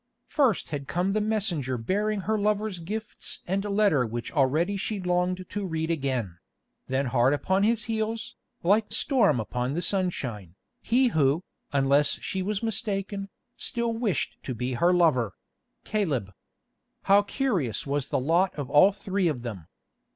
First had come the messenger bearing her lover's gifts and letter which already she longed to read again; then hard upon his heels, like storm upon the sunshine, he who, unless she was mistaken, still wished to be her lover—Caleb. How curious was the lot of all three of them!